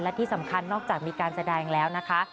และที่สำคัญนอกจากมีการแสดงแล้วนะคะ